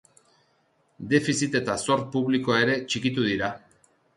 Defizit eta zor publikoa ere txikitu dira.